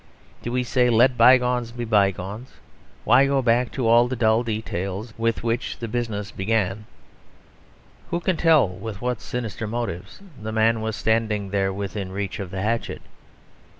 Do we say "Let byegones be byegones; why go back to all the dull details with which the business began; who can tell with what sinister motives the man was standing there within reach of the hatchet?"